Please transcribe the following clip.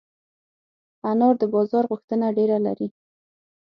انار د بازار غوښتنه ډېره لري.